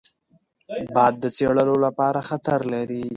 باد د څړیو لپاره خطر لري